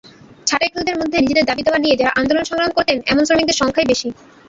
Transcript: ছাঁটাইকৃতদের মধ্যে নিজেদের দাবি-দাওয়া নিয়ে যাঁরা আন্দোলন-সংগ্রাম করতেন, এমন শ্রমিকদের সংখ্যাই বেশি।